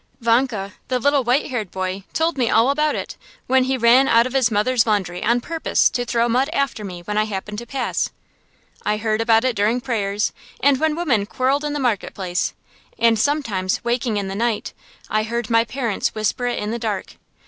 Vanka, the little white haired boy, told me all about it, when he ran out of his mother's laundry on purpose to throw mud after me when I happened to pass. I heard about it during prayers, and when women quarrelled in the market place; and sometimes, waking in the night, I heard my parents whisper it in the dark.